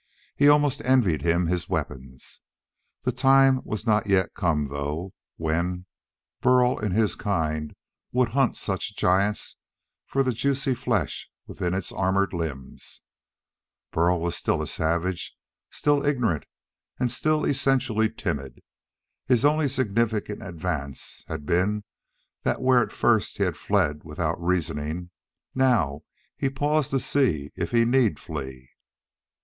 He almost envied him his weapons. The time was not yet come, though, when Burl and his kind would hunt such giants for the juicy flesh within its armored limbs. Burl was still a savage, still ignorant, still essentially timid. His only significant advance had been that where at first he had fled without reasoning, now he paused to see if he need flee.